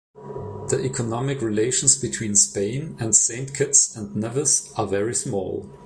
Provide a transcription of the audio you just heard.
The economic relations between Spain and Saint Kitts and Nevis are very small.